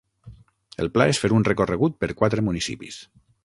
El pla és fer un recorregut per quatre municipis.